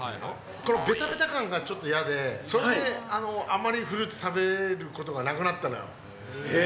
このべたべた感がちょっと嫌で、それであんまりフルーツ食べることがなくなったのよ。